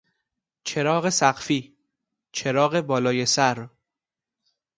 چراغ سقفی، چراغ بالای سر